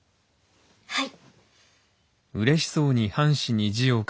はい！